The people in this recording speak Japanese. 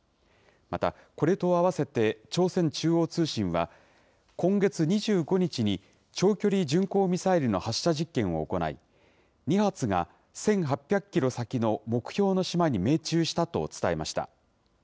また、これとあわせて、朝鮮中央通信は、今月２５日に長距離巡航ミサイルの発射実験を行い、２発が１８００キロ先の目標の島に命中したと伝えました。